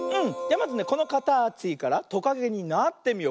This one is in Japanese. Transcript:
まずこのかたちからトカゲになってみよう。